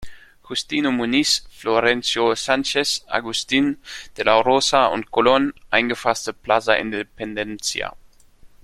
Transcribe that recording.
Justino Muniz", "Florencio Sánchez", "Agustín de la Rosa" und "Colón" eingefasste "Plaza Independencia".